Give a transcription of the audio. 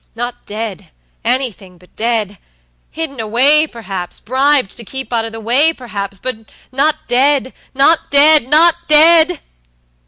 Not deadanything but dead! Hidden away, perhapsbribed to keep out of the way, perhaps; but not deadnot deadnot dead!"